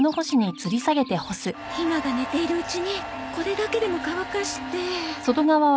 ひまが寝ているうちにこれだけでも乾かして。